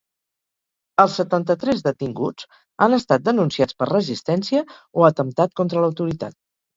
Els setanta-tres detinguts han estat denunciats per resistència o atemptat contra l’autoritat.